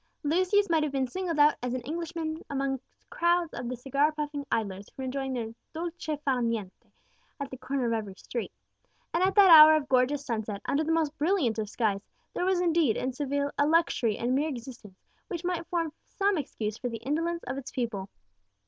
Lucius might have been singled out as an Englishman amongst crowds of the cigar puffing idlers who were enjoying their dolce far niente at the corner of every street. And at that hour of gorgeous sunset, under the most brilliant of skies, there was indeed in Seville a luxury in mere existence which might form some excuse for the indolence of its people.